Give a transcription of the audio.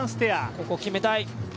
ここ決めたい。